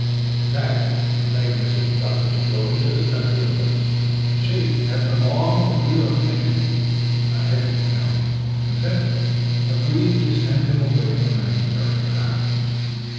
In fact, we begged Mrs. Johnson to go into the country with us, and she, after long reluctation on Hippy's account, consented, agreeing to send him away to friends during her absence.